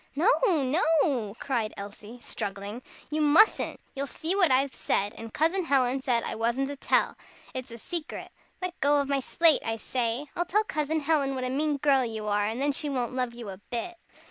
"No, no," cried Elsie, struggling, "you mustn't! You'll see what I've said and Cousin Helen said I wasn't to tell. It's a secret. Let go of my slate, I say! I'll tell Cousin Helen what a mean girl you are, and then she won't love you a bit."